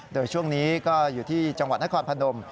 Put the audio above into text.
โดยช่วงนี้ก็อยู่ที่จังหวัดนครพนม